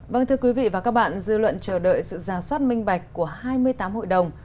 vâng thưa quý vị và các bạn dư luận chờ đợi sự ra soát minh bạch của hai mươi tám hội đồng